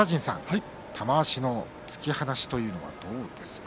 玉鷲の突き放しというのはどうですか？